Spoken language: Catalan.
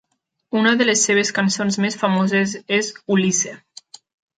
Una de les seves cançons més famoses és "Ulysse".